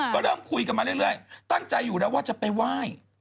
ก็เริ่มคุยกันมาเรื่อยตั้งใจอยู่แล้วว่าจะไปไหว้